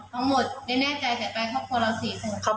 ทั้งหมดในแน่ใจจะไปครอบครัวเรา๔คน